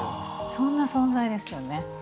そんな存在ですよね。